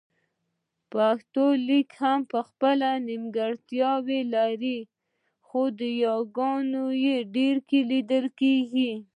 پښتو لیک هم خپله نيمګړتیا لري خو د یاګانو يې ډېره لیدل کېږي